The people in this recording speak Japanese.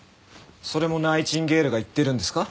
それもナイチンゲールが言ってるんですか？